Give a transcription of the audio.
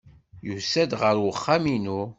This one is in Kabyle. Yusa-d ɣer uxxam-inu.